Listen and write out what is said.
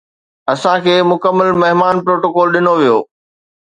اسان کي مڪمل مهمان پروٽوڪول ڏنو ويو